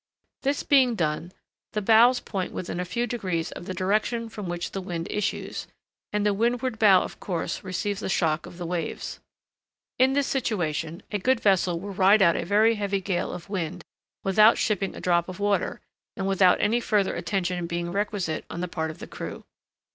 This being done, the bows point within a few degrees of the direction from which the wind issues, and the windward bow of course receives the shock of the waves. In this situation a good vessel will ride out a very heavy gale of wind without shipping a drop of water, and without any further attention being requisite on the part of the crew.